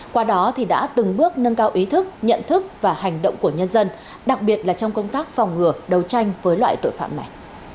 qua đó thì đã từng bước nâng cao ý thức nhận thức và hành động của nhân dân đặc biệt là trong công tác phòng ngừa đấu tranh với loại tội phạm này